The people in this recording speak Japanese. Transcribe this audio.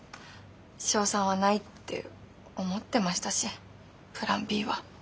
勝算はないって思ってましたしプランＢは。